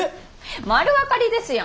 丸分かりですやん。